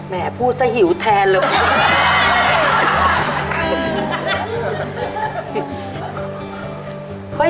พูดซะหิวแทนเลย